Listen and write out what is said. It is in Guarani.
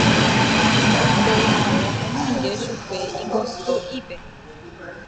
Ha upéi ae omoinge chupe ikoty'ípe.